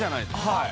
はい。